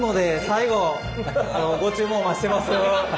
最後ご注文お待ちしてます。